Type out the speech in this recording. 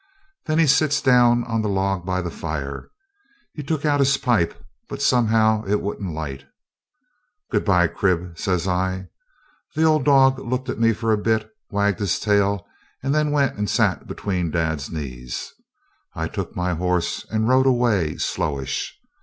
Then he sits down on the log by the fire. He took out his pipe, but somehow it wouldn't light. 'Good bye, Crib,' says I. The old dog looked at me for a bit, wagged his tail, and then went and sat between dad's knees. I took my horse and rode away slowish.